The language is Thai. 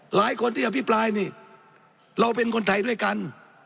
หลายคนที่อภิปรายนี่เราเป็นคนไทยด้วยกัน